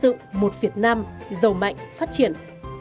xây dựng một việt nam giàu mạnh phát triển